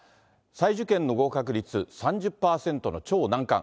再受験の合格率３０％の超難関。